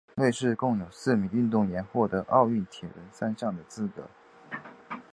瑞士共有四名运动员获得奥运铁人三项的资格。